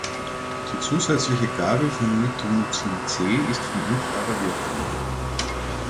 Die zusätzliche Gabe von Mitomycin C ist von unklarer Wirkung.